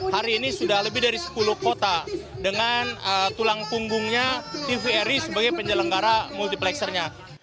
hari ini sudah lebih dari sepuluh kota dengan tulang punggungnya tvri sebagai penyelenggara multiplexernya